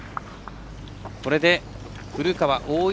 これで古川、大岩